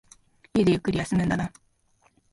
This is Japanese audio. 家でゆっくり休むんだな。